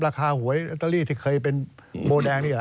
ราคาหัวอัตเตอรี่ที่เคยเป็นโบแดงนี่แหละ